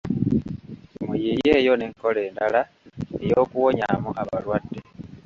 Muyiiyeeyo n’enkola endala ey'okuwonyaamu abalwadde.